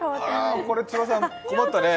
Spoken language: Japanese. これ千葉さん、困ったね。